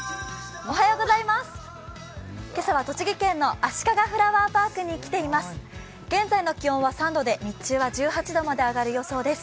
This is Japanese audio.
今朝は栃木県のあしかがフラワーパークに来ています。